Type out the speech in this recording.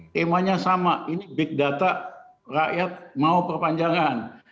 temanya sama ini big data rakyat mau perpanjangan